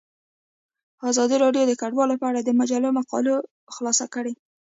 ازادي راډیو د کډوال په اړه د مجلو مقالو خلاصه کړې.